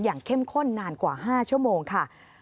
เข้มข้นนานกว่า๕ชั่วโมงค่ะ